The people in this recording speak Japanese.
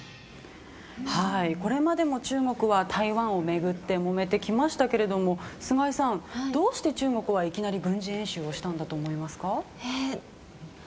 これまでも中国は台湾を巡ってもめてきましたけれども菅井さん、どうして中国はいきなり軍事演習をしたと思いますか？